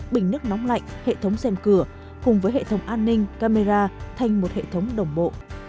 bình nước nóng lạnh hệ thống dèm cửa cùng với hệ thống an ninh camera thành một hệ thống đồng bộ